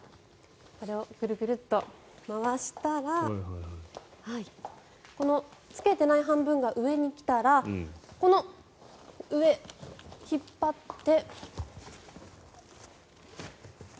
これをグルグルッと回したらこのつけてない半分が上に来たらこの上、引っ張って。